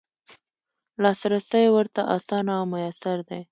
لاسرسی ورته اسانه او میسر دی.